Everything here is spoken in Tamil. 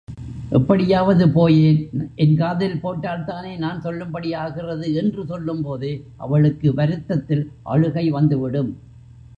எப்படியாவது போயேன் என் காதிலே போட்டால் தானே நான் சொல்லும்படியாகிறது. என்று சொல்லும்போதே அவளுக்கு வருத்தத்தில் அழுகை வந்துவிடும்.